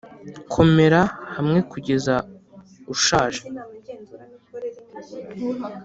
komera hamwe kugeza ushaje.